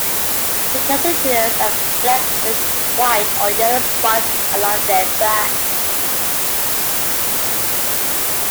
The caterpillars are black with white or yellow spines along their backs.